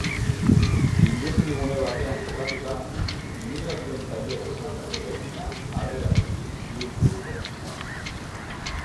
Industrigune batean kokatuta, ibilgailuen tailerra izandako eraikina, harrera toki bihurtu dute.